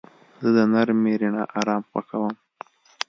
زه د نرمې رڼا آرام خوښوم.